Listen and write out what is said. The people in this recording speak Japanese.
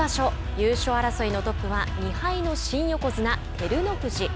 優勝争いのトップは２敗の新横綱照ノ富士。